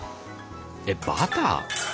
えっバター⁉